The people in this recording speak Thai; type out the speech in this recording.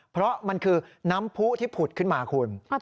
เพราะมันคือน้ำผู้ที่ผุดขึ้นมาคุณ